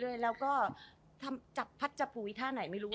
เราก็จับภัทรจับปุ๋ยถ้าไหนไม่รู้